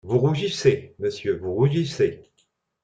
Vous rougissez, monsieur, vous rougissez!